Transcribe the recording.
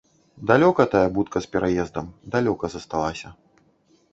Далёка тая будка з пераездам, далёка засталася.